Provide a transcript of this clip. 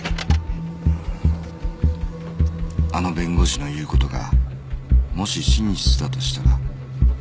あの弁護士の言う事がもし真実だとしたら